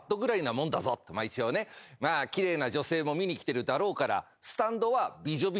奇麗な女性も見に来てるだろうから。